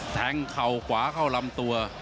แสงเขากวาเข้ารำตัว